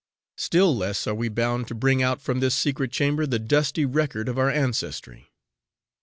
Still less are we bound to bring out from this secret chamber the dusty record of our ancestry.